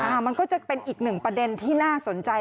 มันก็จะเป็นอีกหนึ่งประเด็นที่น่าสนใจ